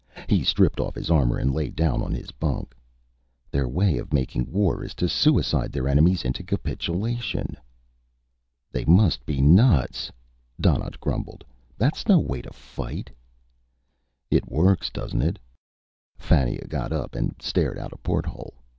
He stripped off his armor and lay down on his bunk. "Their way of making war is to suicide their enemies into capitulation." "They must be nuts," Donnaught grumbled. "That's no way to fight." "It works, doesn't it?" Fannia got up and stared out a porthole.